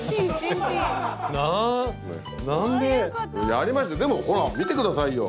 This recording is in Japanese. やりましたよでもほら見て下さいよ。